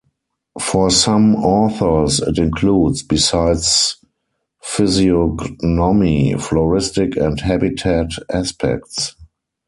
For some authors, it includes, besides physiognomy, floristic and habitat aspects.